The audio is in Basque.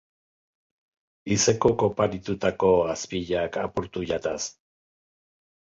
Izekok oparitutako azpilak apurtu jataz.